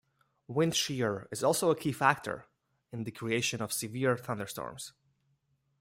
Wind shear is also a key factor in the creation of severe thunderstorms.